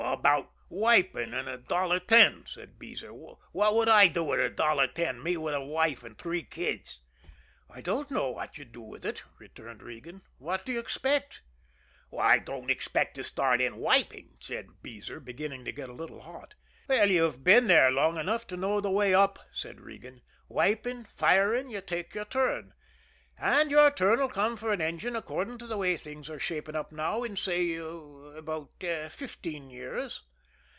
"About wiping and a dollar ten," said Beezer. "What would I do with a dollar ten, me with a wife and three kids?" "I don't know what you'd do with it," returned Regan. "What do you expect?" "I don't expect to start in wiping," said Beezer, beginning to get a little hot. "You've been here long enough to know the way up," said Regan. "Wiping, firing you take your turn. And your turn'll come for an engine according to the way things are shaping up now in, say, about fifteen years."